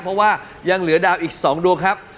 เพราะว่ายังเหลือดาวอีก๒ดวงครับ